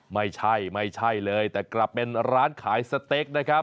ไม่ใช่ไม่ใช่เลยแต่กลับเป็นร้านขายสเต็กนะครับ